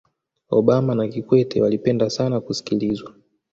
obama na kikwete walipenda sana kusikilizwa